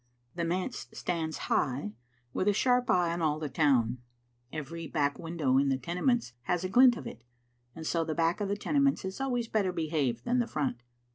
The manse stands high, with a sharp eye on all the town. Every back window in the Tenements has a glint of it, and so the back of the Tenements is always better behaved than the front.